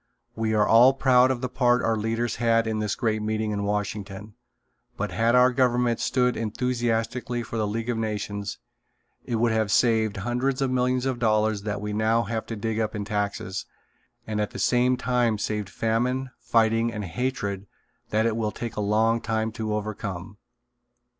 We are all proud of the part our leaders had in this great meeting in Washington, but had our government stood enthusiastically for the League of Nations it would have saved hundreds of millions of dollars that we now have to dig up in taxes, and at the same time saved famine, fighting and hatred that it will take a long time to overcome.